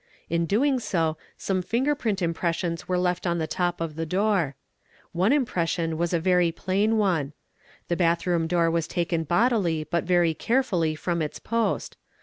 In doing so some finger print impressions were left on the top of the door. One impression was a very plain one. The bathroom door was taken bodily but very carefully from its post.